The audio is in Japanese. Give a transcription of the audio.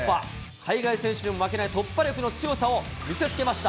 海外選手にも負けない突破力の強さを見せつけました。